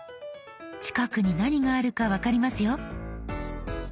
近くに何があるか分かりますよ。